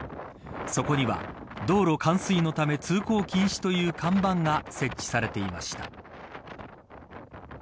そこには道路冠水のため通行禁止という看板が設置されていました。